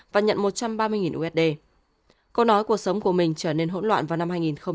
và nhận một trăm ba mươi usd cô nói cuộc sống của mình trở nên hỗn loạn vào năm hai nghìn hai mươi